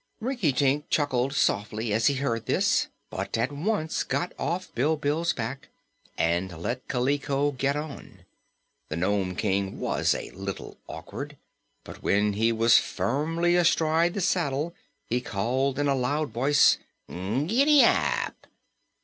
Rinkitink chuckled softly as he heard this, but at once got off Bilbil's back and let Kaliko get on. The Nome King was a little awkward, but when he was firmly astride the saddle he called in a loud voice: "Giddap!"